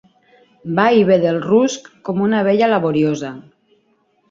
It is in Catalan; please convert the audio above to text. Va i bé del rusc com una abella laboriosa.